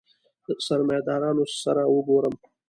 د سرمایه دارانو سره وګورم.